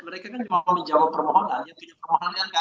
mereka kan cuma menjawab permohonan yang punya permohonan kan